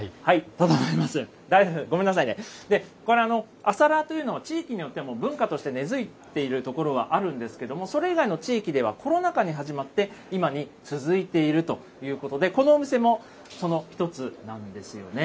これ、朝ラーというのは地域によっても文化として根づいているところはあるんですけれども、それ以外の地域では、コロナ禍に始まって今に続いているということで、このお店もその１つなんですよね。